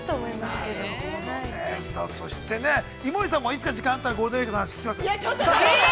そしてね、井森さんもいつか時間があったらゴールデンウイークの話聞きます。